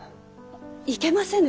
いけませぬ